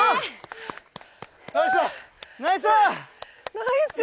ナイス！